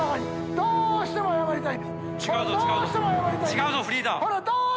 どうしても謝りたい。